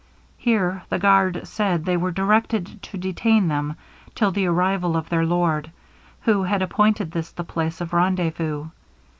Here the guard said they were directed to detain them till the arrival of their lord, who had appointed this the place of rendezvous.